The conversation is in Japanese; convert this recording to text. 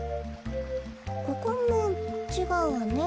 ここもちがうわね。